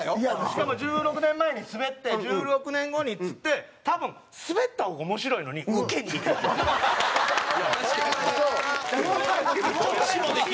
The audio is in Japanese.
しかも１６年前にスベって１６年後にっつって多分スベった方が面白いのに確かに。